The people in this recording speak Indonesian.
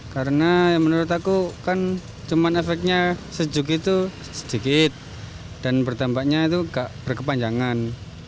karena menurut aku kan cuman efeknya sejuk itu sedikit dan pertampaknya itu gak berkepanjangan